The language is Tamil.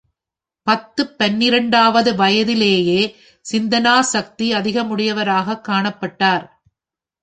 பத்துப் பனிரெண்டாவது வயதிலேயே சிந்தனா சக்தி அதிகமுடையவராகக் காணப்பட்டார்.